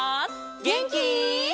げんき？